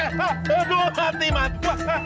aduh hati mati